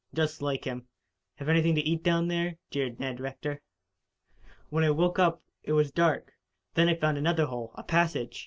"Just like him. Have anything to eat down there?" jeered Ned Rector. "When I woke up it was dark. Then I found another hole a passage.